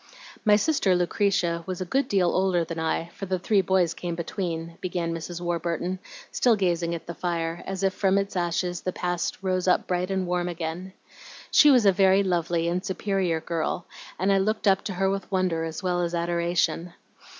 "My sister Lucretia was a good deal older than I, for the three boys came between," began Mrs. Warburton, still gazing at the fire, as if from its ashes the past rose up bright and warm again. "She was a very lovely and superior girl, and I looked up to her with wonder as well as adoration.